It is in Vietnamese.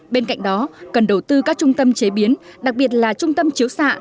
bên cạnh đó cần đầu tư các trung tâm chế biến đặc biệt là trung tâm chiếu xạ